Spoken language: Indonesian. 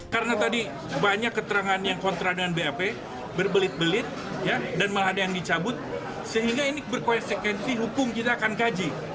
karena tadi banyak keterangan yang kontra dengan bap berbelit belit dan malah ada yang dicabut sehingga ini berkonsekuensi hukum kita akan kaji